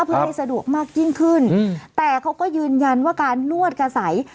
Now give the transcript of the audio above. เพื่อให้สะดวกมากยิ่งขึ้นแต่เขาก็ยืนยันว่าการนวดกระใส